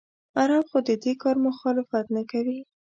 عرب خو د دې کار مخالفت نه کوي.